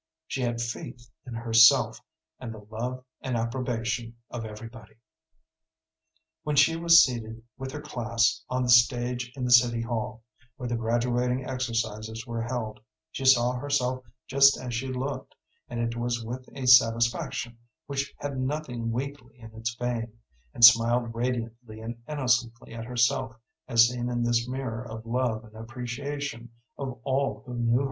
She had faith in herself and the love and approbation of everybody. When she was seated with her class on the stage in the city hall, where the graduating exercises were held, she saw herself just as she looked, and it was with a satisfaction which had nothing weakly in its vein, and smiled radiantly and innocently at herself as seen in this mirror of love and appreciation of all who knew her.